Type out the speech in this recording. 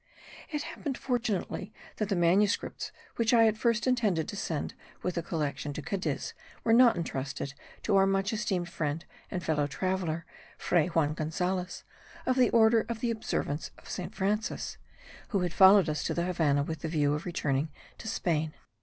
It happened fortunately that the manuscripts which I at first intended to send with the collection to Cadiz were not intrusted to our much esteemed friend and fellow traveller, Fray Juan Gonzales, of the order of the Observance of St. Francis, who had followed us to the Havannah with the view of returning to Spain.